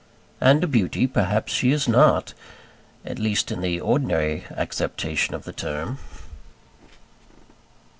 And a beauty perhaps she is not at least, in the ordinary acceptation of the term.